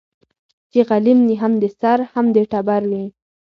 چي غلیم یې هم د سر هم د ټبر وي